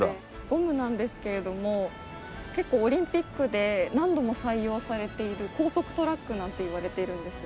ゴムなんですけれども結構オリンピックで何度も採用されている高速トラックなんていわれているんです。